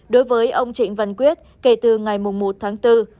đối với ông trịnh văn quyết kể từ ngày một tháng bốn